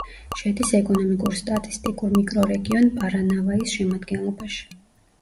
შედის ეკონომიკურ-სტატისტიკურ მიკრორეგიონ პარანავაის შემადგენლობაში.